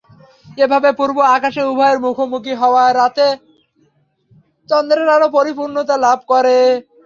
এভাবে পূর্ব আকাশে উভয়ের মুখোমুখি হওয়ার রাতে চন্দ্রের আলো পরিপূর্ণতা লাভ করে।